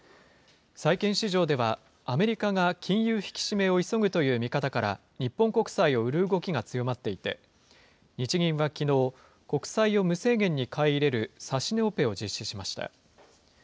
債券市場では、アメリカが金融引き締めを急ぐという見方から、日本国債を売る動きが強まっていて、日銀はきのう、国債を無制限に買い入れる指値オペを実施しました。